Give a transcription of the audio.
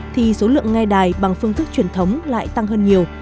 thì số lượng nghe đài bằng phương thức truyền thống lại tăng hơn nhiều